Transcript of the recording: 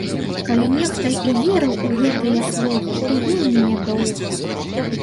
Калі нехта і верыў у гэтыя словы, то вельмі нядоўга.